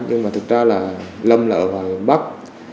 nhưng mà thật ra là lâm là ở bắc